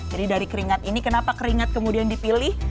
jadi dari keringat ini kenapa keringat kemudian dipilih